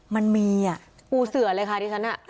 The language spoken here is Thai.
มันมีอ่ะ